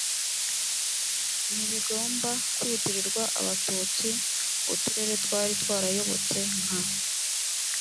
ntibigomba kwitirirwa abatutsi uturere twari twarayobotse nka